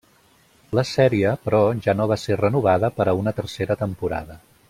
La sèrie però ja no va ser renovada per a una tercera temporada.